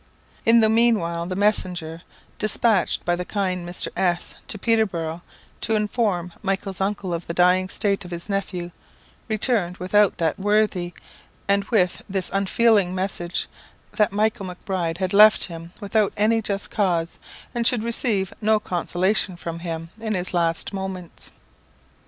In the meanwhile the messenger, despatched by the kind Mr. S to Peterboro' to inform Michael's uncle of the dying state of his nephew, returned without that worthy, and with this unfeeling message that Michael Macbride had left him without any just cause, and should receive no consolation from him in his last moments.